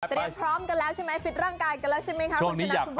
เตรียมพร้อมกันแล้วใช่ไหมฟิตร่างกายกันแล้วใช่ไหมครับ